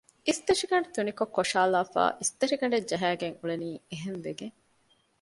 އިސްތަށިގަނޑު ތުނިކޮށް ކޮށައިލައިފައި އިސްތަށިގަނޑެއް ޖަހައިގެން އުޅެނީ އެހެންވެގެން